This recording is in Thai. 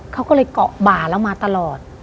เขาก็เลยเกาะบ่าแล้วมาตลอด